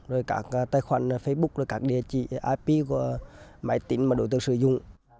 rồi các tài khoản facebook rồi các địa chỉ ip của máy tính mà đối tượng sử dụng